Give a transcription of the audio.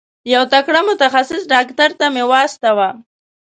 یو تکړه متخصص ډاکټر ته مي واستوه.